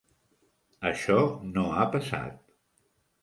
Això no ha passat.